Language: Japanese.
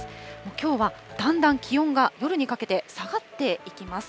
きょうはだんだん気温が夜にかけて下がっていきます。